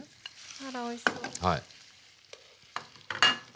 あらおいしそう。